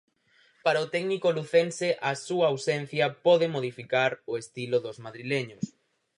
Para o técnico lucense, a súa ausencia, pode modificar o estilo dos madrileños.